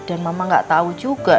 ini servisenya yuk